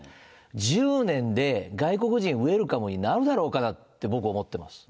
１０年で外国人ウェルカムになるだろうかなって、僕、思ってます。